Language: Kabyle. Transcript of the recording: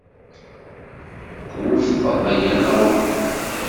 Twufqeḍ aya neɣ uhu?